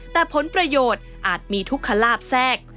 แต่ผลประโยชน์อาจมีทุกขลาบแทรก